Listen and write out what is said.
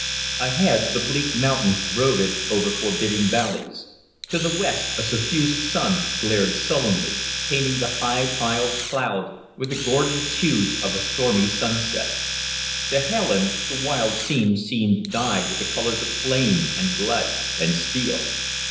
Ahead, the bleak mountains brooded over forbidding valleys; to the west a suffused sun glared sullenly, painting the high piled clouds with the gorgeous hues of a stormy sunset. To Helen the wild scene seemed dyed with the colors of flame and blood and steel.